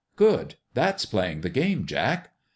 " Good ! That's playing the game, Jack."